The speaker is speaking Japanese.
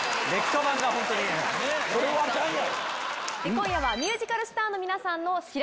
今夜は。